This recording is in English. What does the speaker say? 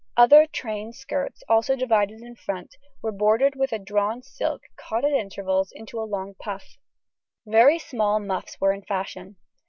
Other train skirts, also divided in front, were bordered with drawn silk caught at intervals into long puffs. Very small muffs were the fashion.